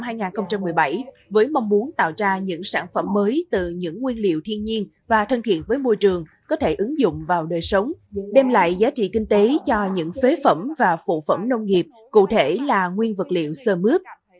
dự án này ra đời từ năm hai nghìn một mươi bảy với mong muốn tạo ra những sản phẩm mới từ những nguyên liệu thiên nhiên và thân thiện với môi trường có thể ứng dụng vào đời sống đem lại giá trị kinh tế cho những phế phẩm và phụ phẩm nông nghiệp cụ thể là nguyên vật liệu sơ mướp